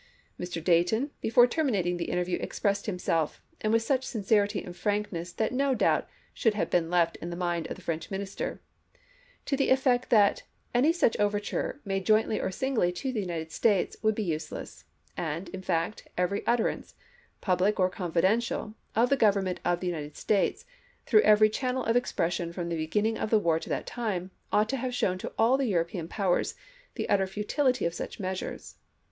Mr. Dayton before terminating the interview expressed himself — and with such sincerity and frankness that no doubt should have been left on the mind of the French Minister — to the effect that any such overture, made jointly or singly to the United States, would be useless; and, in fact, every utterance, public 64 ABKAHAM LINCOLN Chap. III. or Confidential, of the Government of the United States, through every channel of expression from the beginning of the war to that time, ought to have shown to all the European powers the utter futility of such measures.